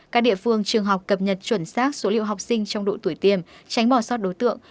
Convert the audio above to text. các địa phương trường học cập nhật chuẩn xác số liệu học sinh trong độ tuổi tiêm tránh bỏ sót đối tượng